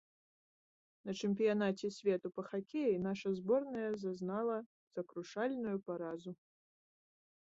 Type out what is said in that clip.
На чэмпіянаце свету па хакеі наша зборная зазнала сакрушальную паразу.